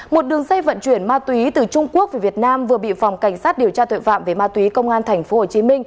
một đường dây vận chuyển ma túy từ trung quốc về việt nam vừa bị phòng cảnh sát điều tra tội phạm về ma túy công an tp hcm